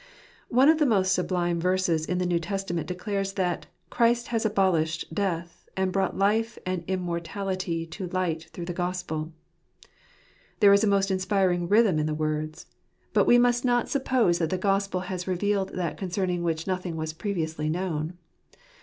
One of the most sublime verses in the New Testament declares that "Christ has abolished death, and brought life and immortality to light through the Gospel." There is a most inspiring rhythm in the words; but we must not & dlnrtous flrnsperL 143 suppose that the Gospel has revealed that concerning which nothing was previously known.